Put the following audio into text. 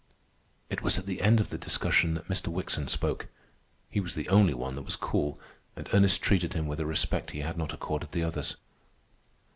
It was at the end of the discussion that Mr. Wickson spoke. He was the only one that was cool, and Ernest treated him with a respect he had not accorded the others.